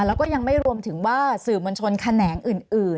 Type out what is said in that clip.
แล้วก็ยังไม่รวมถึงว่าสื่อมวลชนแขนงอื่น